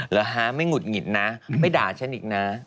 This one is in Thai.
เหรอฮะไม่หุดหงิดนะไม่ด่าฉันอีกนะ